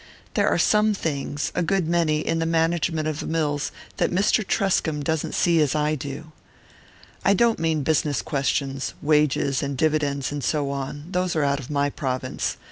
There are some things a good many in the management of the mills that Mr. Truscomb doesn't see as I do. I don't mean business questions: wages and dividends and so on those are out of my province.